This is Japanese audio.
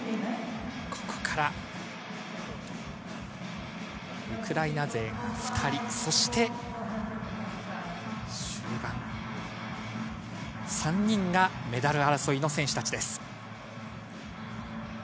ここからウクライナ勢が２人、そして、終盤３人がメダル争いの選手達です。